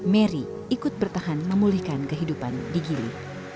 mary ikut bertahan memulihkan kehidupan di gili